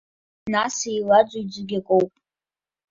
Нас еилаӡоит, зегь акоуп.